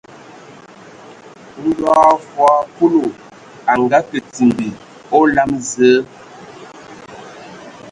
Ndɔ hm fɔɔ Kulu a ngakǝ timbi a olam Zǝǝ,